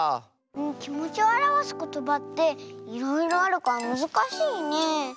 きもちをあらわすことばっていろいろあるからむずかしいね。